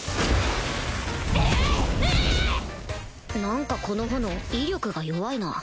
何かこの炎威力が弱いな